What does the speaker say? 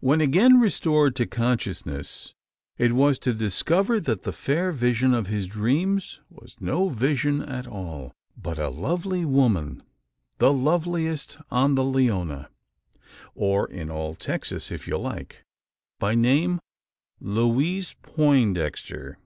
When again restored to consciousness, it was to discover that the fair vision of his dreams was no vision at all, but a lovely woman the loveliest on the Leona, or in all Texas if you like by name Louise Poindexter.